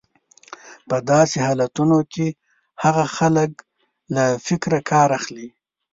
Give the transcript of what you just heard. په داسې حالتونو کې هغه خلک له فکره کار اخلي.